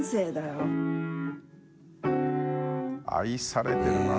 愛されてるな。